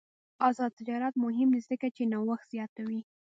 آزاد تجارت مهم دی ځکه چې نوښت زیاتوي.